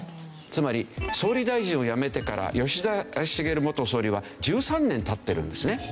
つまり総理大臣を辞めてから吉田茂元総理は１３年経ってるんですね。